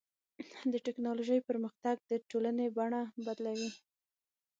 د ټکنالوجۍ پرمختګ د ټولنې بڼه بدلوي.